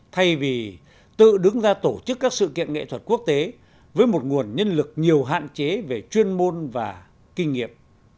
thay vì tự đứng ra tổ chức các sự kiện nghệ thuật quốc tế với một nguồn nhân lực nhiều hạn chế về chuyên môn và kinh nghiệm